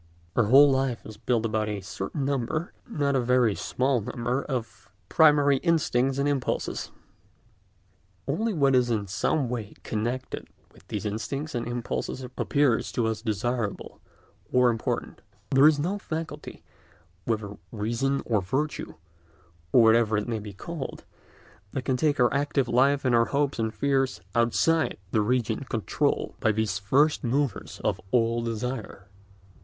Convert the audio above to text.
Our whole life is built about a certain number—not a very small number—of primary instincts and impulses. Only what is in some way connected with these instincts and impulses appears to us desirable or important; there is no faculty, whether "reason" or "virtue" or whatever it may be called, that can take our active life and our hopes and fears outside the region controlled by these first movers of all desire.